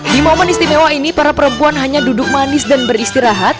di momen istimewa ini para perempuan hanya duduk manis dan beristirahat